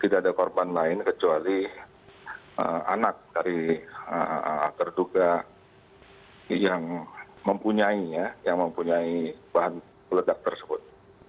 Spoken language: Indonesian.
tidak ada korban lain kecuali anak dari tertuga yang mempunyai bahan ledak tersebut